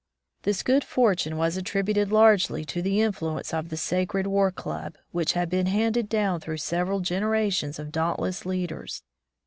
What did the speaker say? This good fortune was attributed largely to the influence of the sacred war club, which had been handed down through several generations of daunt less leaders.